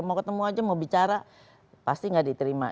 mau ketemu aja mau bicara pasti nggak diterima